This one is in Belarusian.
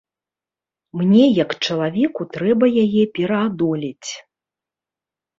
Мне як чалавеку трэба яе пераадолець.